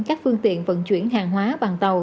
các phương tiện vận chuyển hàng hóa bằng tàu